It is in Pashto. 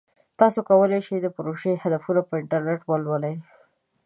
تاسو کولی شئ د پروژې هدفونه په انټرنیټ ولولئ.